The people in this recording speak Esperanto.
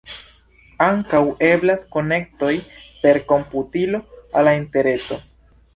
Ankaŭ eblas konektoj per komputilo al la interreto.